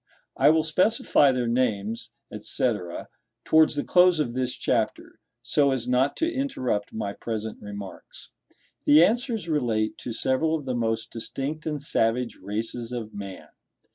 I will specify their names, &c., towards the close of this chapter, so as not to interrupt my present remarks. The answers relate to several of the most distinct and savage races of man.